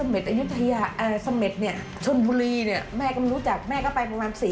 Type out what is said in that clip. แม่ไปเองลูกก็ไม่รู้ไปกับสี่รอบแม่ไป